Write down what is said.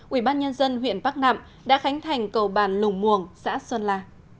ubnd huyện bắc nạm đã khánh thành cầu bàn lùng muồng xã xuân la